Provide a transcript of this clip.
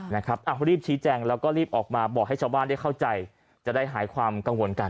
รีบชี้แจงแล้วก็รีบออกมาบอกให้ชาวบ้านได้เข้าใจจะได้หายความกังวลกัน